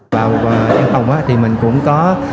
vào trang phòng thì mình cũng có